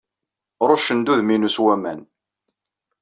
Ṛuccen-d udem-inu s waman.